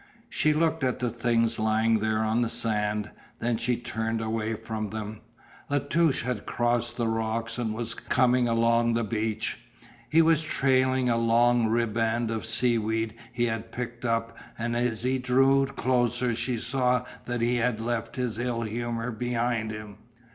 She looked at the things lying there on the sand, then she turned away from them. La Touche had crossed the rocks and was coming along the beach. He was trailing a long ribband of seaweed he had picked up and as he drew closer she saw that he had left his ill humor behind him.